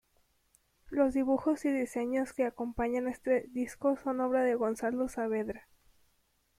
Los dibujos y diseños que acompañan este disco son obra de Gonzalo Saavedra.